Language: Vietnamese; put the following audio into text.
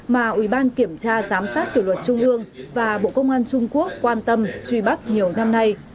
mà ủy ban kiểm tra giám sát kỷ luật trung ương và bộ công an trung quốc quan tâm truy bắt nhiều năm nay